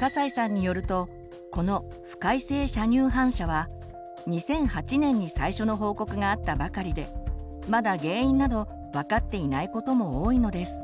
笠井さんによるとこの「不快性射乳反射」は２００８年に最初の報告があったばかりでまだ原因など分かっていないことも多いのです。